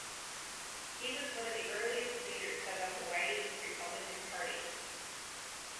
He was one of the earliest leaders of the Hawaii Republican Party.